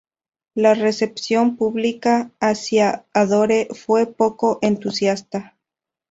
La recepción pública hacia "Adore" fue poco entusiasta.